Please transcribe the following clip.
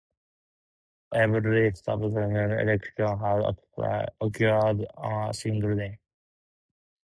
Every subsequent election has occurred on a single day.